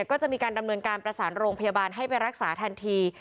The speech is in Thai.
ก็จะมีการดำเนินการประสานโรงพยาบาลให้ไปรักษาทันที